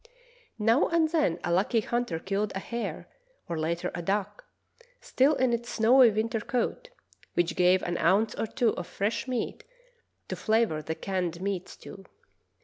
Now and then a lucky hunter killed a hare, or later a duck, still in its snowy winter coat, which gave an ounce or two of fresh meat to flavor the canned meat stew.